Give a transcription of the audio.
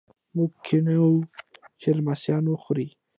موږ کینوو چې لمسیان وخوري.